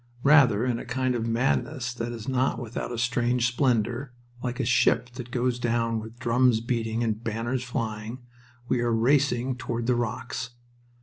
Rather in a kind of madness that is not without a strange splendor, like a ship that goes down with drums beating and banners flying, we are racing toward the rocks.